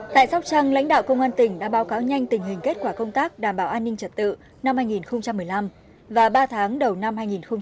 tại sóc trăng lãnh đạo công an tỉnh đã báo cáo nhanh tình hình kết quả công tác đảm bảo an ninh trật tự năm hai nghìn một mươi năm và ba tháng đầu năm hai nghìn một mươi chín